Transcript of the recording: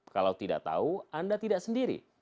kalau tidak tahu anda tidak sendiri